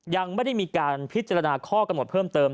ยังไม่ได้มีการพิจารณาข้อกำหนดเพิ่มเติม